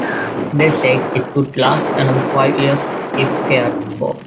They said it would last another five years if cared for.